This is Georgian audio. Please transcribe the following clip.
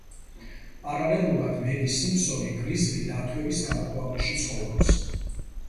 პარალელურად მეგი სიმფსონი გრიზლი დათვების გამოქვაბულში ცხოვრობს.